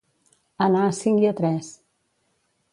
Anar a cinc i a tres.